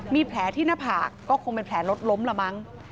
มีแผลที่หน้าผากก็คงเป็นแผลรถล้มละมั้ง